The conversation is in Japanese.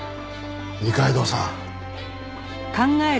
二階堂さん。